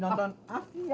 nggak jadi nonton